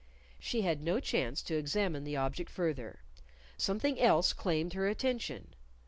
She had no chance to examine the object further. Something else claimed her attention.